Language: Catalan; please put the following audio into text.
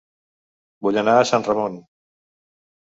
Vull anar a Sant Ramon